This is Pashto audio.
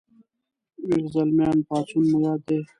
ويښ زلميان پاڅون مو یاد دی